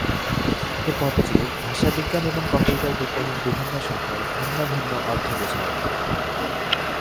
এ পদটির ভাষাবিজ্ঞান এবং কম্পিউটার বিজ্ঞানের বিভিন্ন শাখায় ভিন্ন ভিন্ন অর্থ বোঝায়ে।